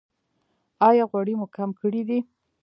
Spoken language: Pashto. ایا غوړي مو کم کړي دي؟